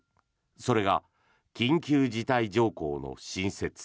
それが緊急事態条項の新設。